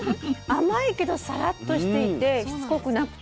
甘いけどサラッとしていてしつこくなくて。